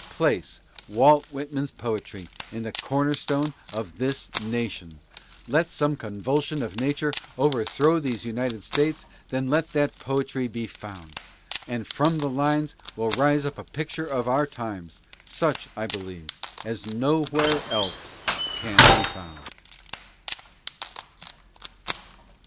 Place Walt Whitman's poetry in the corner stone of this na tion, let some convulsion of Nature overthrow these United States, and then let that poetry be found ; and from the lines will rise up a picture of our times, such, I believe, as nowhere else can be found.